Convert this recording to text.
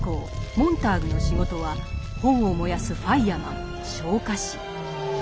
モンターグの仕事は本を燃やすファイアマン昇火士。